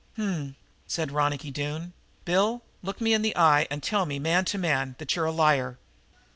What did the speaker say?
"H'm!" said Ronicky Doone. "Bill, look me in the eye and tell me, man to man, that you're a liar!"